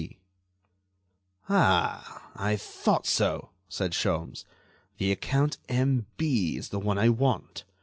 B." "Ah! I thought so!" said Sholmes; "the account M.B. is the one I want.